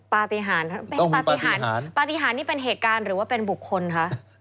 ปฏิหารปฏิหารนี่เป็นเหตุการณ์หรือว่าเป็นบุคคลคะ